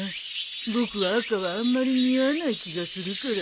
僕は赤はあんまり似合わない気がするから。